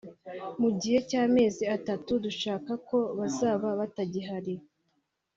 Mu gihe cy’amezi atatu dushaka ko bazaba batagihari